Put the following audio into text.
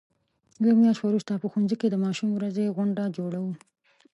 یوه میاشت وروسته په ښوونځي کې د ماشوم ورځې غونډه جوړو.